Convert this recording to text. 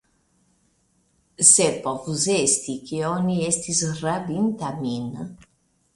Sed povus esti, ke oni estis rabinta min.